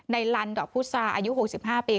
ในรันดอกพุทธศาสตร์อายุ๖๕ปี